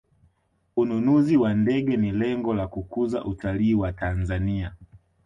ununuzi wa ndege ni lengo la kukuza utalii wa tanzania